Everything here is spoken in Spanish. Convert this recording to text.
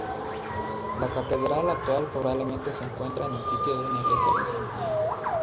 La catedral actual probablemente se encuentra en el sitio de una iglesia bizantina.